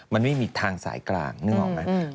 มันไม่มีทางสายกลางนึกออกไหม